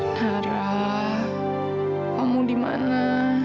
nara kamu dimana